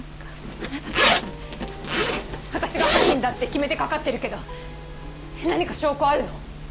あなたさ私が犯人だって決めて掛かってるけど何か証拠あるの？